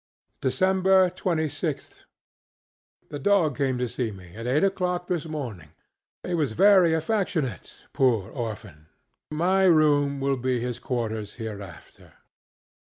DECEMBER 26TH. The dog came to see me at eight oŌĆÖclock this morning. He was very affectionate, poor orphan! My room will be his quarters hereafter.